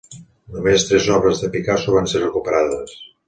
Només tres obres de Picasso van ser recuperades.